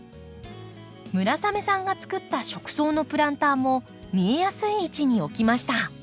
村雨さんが作った食草のプランターも見えやすい位置に置きました。